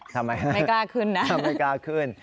ทำไมไม่กล้าขึ้นนะถ้าไม่กล้าขึ้น